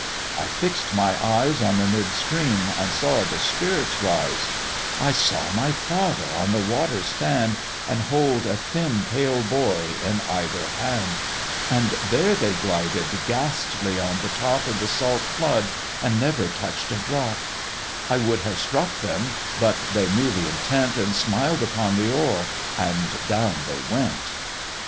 I fix'd my eyes On the mid stream and saw the spirits rise: I saw my father on the water stand, And hold a thin pale boy in either hand; And there they glided ghastly on the top Of the salt flood, and never touch'd a drop: I would have struck them, but they knew th' intent, And smiled upon the oar, and down they went.